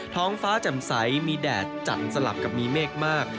ท้องฟ้าแจ่มใสมีแดดจัดสลับกับมีเมฆมาก